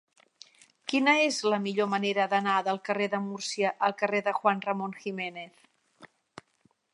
Quina és la millor manera d'anar del carrer de Múrcia al carrer de Juan Ramón Jiménez?